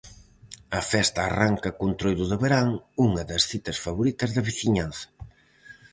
A festa arranca co Entroido de verán, unha das citas favoritas da veciñanza.